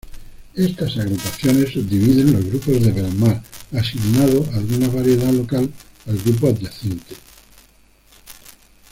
Estas agrupaciones subdividen los grupos de Belmar, asignado alguna variedad local al grupo adyacente.